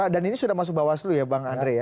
dan ini sudah masuk bawaslu ya bang andre